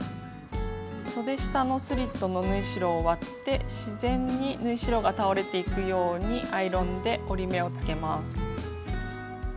そで下のスリットの縫い代を割って自然に縫い代が倒れていくようにアイロンで折り目をつけます。